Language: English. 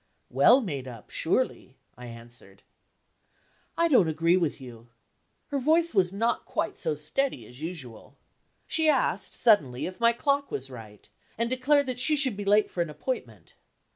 "Well made up, surely?" I answered. "I don't agree with you." Her voice was not quite so steady as usual. She asked suddenly if my clock was right and declared that she should be late for an appointment.